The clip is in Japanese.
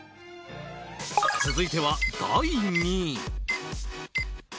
続いては第２位。